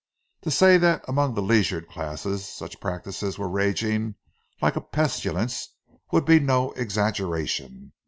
To say that among the leisured classes such practices were raging like a pestilence would be no exaggeration.